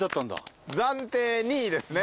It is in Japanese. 暫定２位ですね。